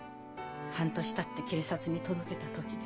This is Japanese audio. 半年たって警察に届けた時です。